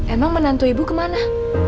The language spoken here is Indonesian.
emang menantu ibu kemana